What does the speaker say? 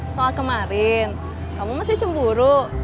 soal kemarin kamu masih cemburu